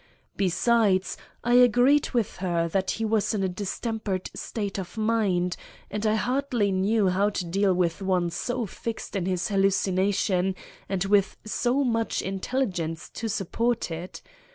Besides, I agreed with her that he was in a distempered state of mind, and I hardly knew how to deal with one so fixed in his hallucination and with so much intelligence to support it.